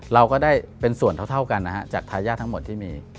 เราก็ได้เป็นส่วนเท่ากันนะฮะจากทายาททั้งหมดที่มี